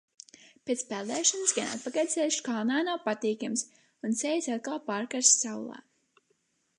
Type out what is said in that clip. Pēc peldēšanās gan atpakaļceļš kalnā nav patīkams, un sejas atkal pārkarst saulē.